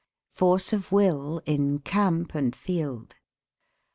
FORCE OF WILL IN CAMP AND FIELD.